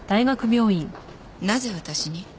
なぜ私に？